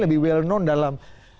lebih well known dalam